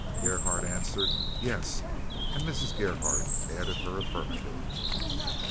Gerhardt answered "Yes," and Mrs. Gerhardt added her affirmative.